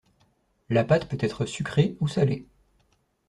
La pâte peut être sucrée ou salée.